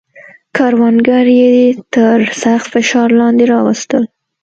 کروندګر یې تر سخت فشار لاندې راوستل.